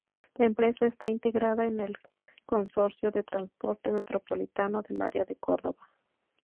La empresa está integrada en el Consorcio de Transporte Metropolitano del Área de Córdoba.